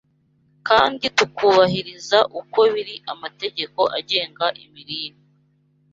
kandi tukubahiriza uko biri amategeko agenga imirire